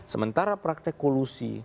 sementara praktek kolusi